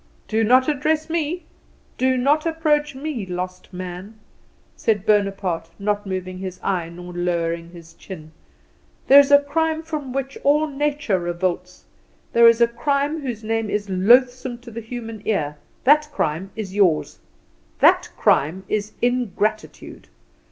"Do not address me; do not approach me, lost man," said Bonaparte, not moving his eye nor lowering his chin. "There is a crime from which all nature revolts; there is a crime whose name is loathsome to the human ear that crime is yours; that crime is ingratitude.